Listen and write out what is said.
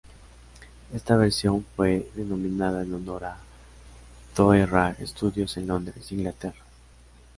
Esta versión fue denominada en honor a Toe Rag Studios en Londres, Inglaterra.